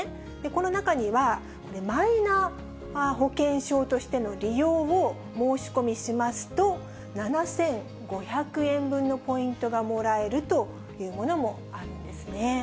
この中には、マイナ保険証としての利用を申し込みしますと、７５００円分のポイントがもらえるというものもあるんですね。